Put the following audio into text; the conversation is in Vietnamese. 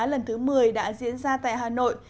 lần thứ một mươi đã diễn ra tại hà nội